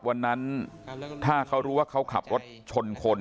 วันนั้นถ้าเขารู้ว่าเขาขับรถชนคน